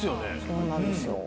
そうなんですよ。